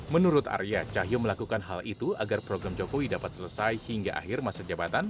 menurut arya cahyo melakukan hal itu agar program jokowi dapat selesai hingga akhir masa jabatan